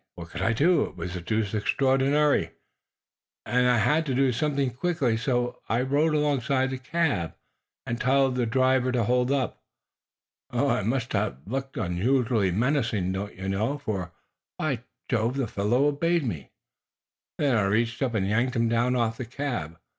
What could I do? It was deuced extraordinary, and I had to do something quickly, so I rode alongside the cab and told the driver to hold up. I must have looked unusually menacing, don't you know, for, by Jove, the fellow obeyed me. Then I reached up and yanked him down off the cab.